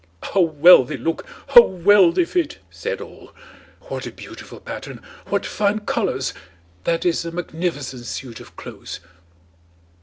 "How well they look! How well they fit!" said all. "What a beautiful pattern! What fine colours! That is a magnificent suit of clothes!"